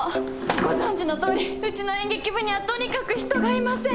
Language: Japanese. ご存じのとおりうちの演劇部にはとにかく人がいません！